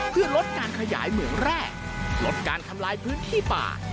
เพื่อลดการขยายเหมืองแร่ลดการทำลายพื้นที่ป่า